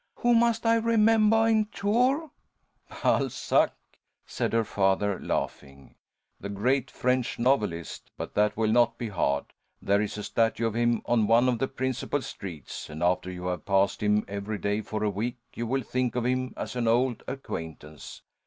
Who must I remembah in Tours?" "Balzac," said her father, laughing. "The great French novelist. But that will not be hard. There is a statue of him on one of the principal streets, and after you have passed him every day for a week, you will think of him as an old acquaintance.